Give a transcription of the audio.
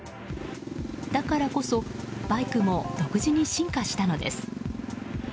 だからこそバイクも独自に進化したのです。